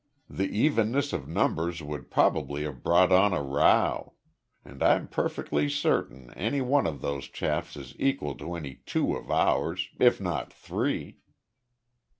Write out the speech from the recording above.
"The evenness of numbers would probably have brought on a row. And I'm perfectly certain any one of those chaps is equal to any two of ours, if not three."